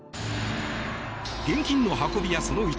現金の運び屋その１